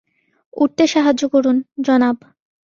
উঠতে সাহায্য করুন, জনাব।